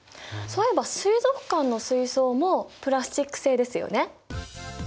そういえば水族館の水槽もプラスチック製ですよね。